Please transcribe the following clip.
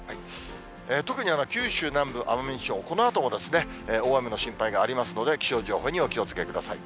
特に九州南部、奄美地方、このあとも大雨の心配がありますので、気象情報にお気をつけください。